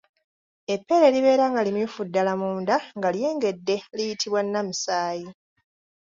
Eppeera eribeera nga limyufu ddala munda nga lyengedde liyitibwa Nnamusaayi.